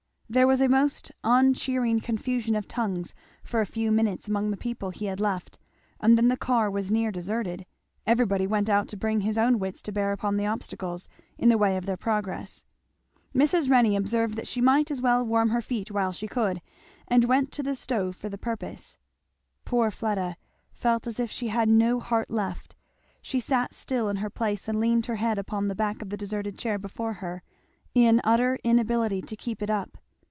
There was a most uncheering confusion of tongues for a few minutes among the people he had left, and then the car was near deserted; everybody went out to bring his own wits to bear upon the obstacles in the way of their progress. Mrs. Renney observed that she might as well warm her feet while she could, and went to the stove for the purpose. Poor Fleda felt as if she had no heart left. She sat still in her place and leaned her head upon the back of the deserted chair before her, in utter inability to keep it up.